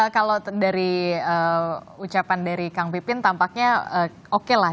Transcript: kalau dari ucapan dari kang pipin tampaknya oke lah